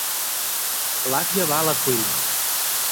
L'àvia va a la cuina.